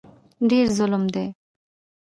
ډېر ظالم دی